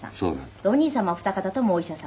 でお兄様お二方ともお医者様。